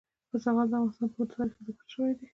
زغال د افغانستان په اوږده تاریخ کې ذکر شوی دی.